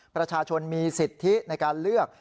ประชาชนมีสิทธิในการเลือก